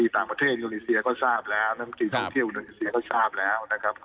ทั้งประเทศอุโดนิเซียก็ทราบแล้วทางเที่ยวอุโดนิเซียก็ทราบแล้ว